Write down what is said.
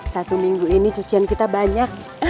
satu minggu ini cucian kita banyak